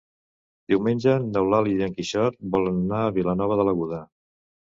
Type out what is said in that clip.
Diumenge n'Eulàlia i en Quixot volen anar a Vilanova de l'Aguda.